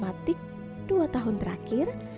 dan juga berusia dua tahun yang terakhir